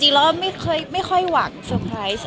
ถามถึงค่ะ